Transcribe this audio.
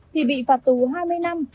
thì bị phạt tù hai mươi năm